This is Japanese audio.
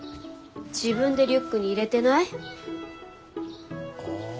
自分でリュックに入れてない？ああ。